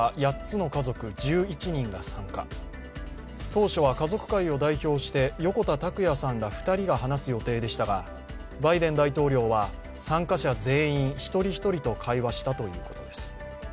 当初は家族会を代表して横田拓也さんら２人が話す予定でしたがバイデン大統領は参加者全員、一人一人と会話したということです。